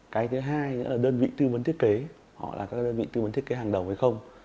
cái thứ hai nữa là đơn vị tư vấn thiết kế họ là các đơn vị tư vấn thiết kế hàng đầu hay không